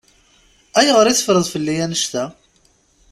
Ayɣer i teffreḍ fell-i annect-a?